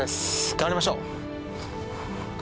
頑張りましょう。